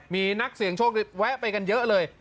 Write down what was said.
มีนักเสี่ยงโชคแวะไปกันเยอะเลย